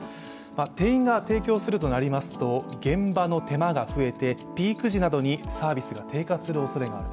店員が提供するとなりますと、現場の手間が増えてピーク時などにサービスが低下するおそれがあると。